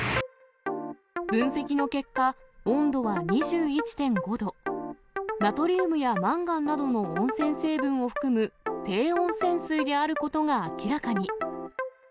分析の結果、温度は２１．５度、ナトリウムやマンガンなどの温泉成分を含む、低温泉水であることが明らかに。